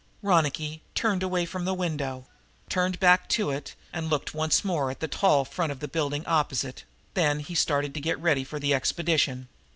Ronicky turned away from the window, turned back to it and looked once more at the tall front of the building opposite; then he started to get ready for the expedition.